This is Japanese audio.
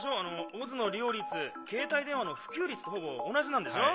ＯＺの利用率携帯電話の普及率とほぼ同じなんでしょ？